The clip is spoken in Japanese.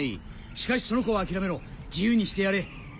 しかしその子は諦めろ自由にしてやれ。